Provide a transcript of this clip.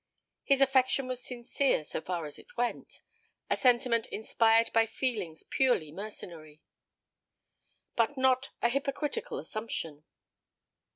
His affection was sincere so far as it went; a sentiment inspired by feelings purely mercenary, but not a hypocritical assumption.